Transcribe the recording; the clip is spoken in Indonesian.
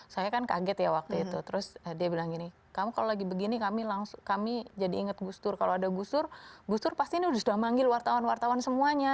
saya kan kaget ya waktu itu terus dia bilang gini kamu kalau lagi begini kami langsung kami jadi ingat gus dur kalau ada gus dur gus dur pasti ini sudah manggil wartawan wartawan semuanya